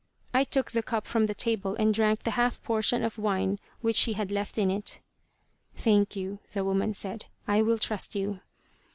I took the cup from the table and drank the half portion of wine which she had left in it. "Thank you," the woman said. "I will trust you."